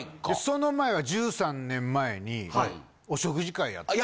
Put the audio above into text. その前は１３年前にお食事会やって。